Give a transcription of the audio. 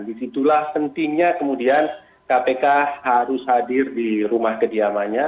disitulah pentingnya kemudian kpk harus hadir di rumah kediamannya